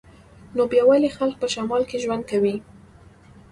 نو بیا ولې خلک په شمال کې ژوند کوي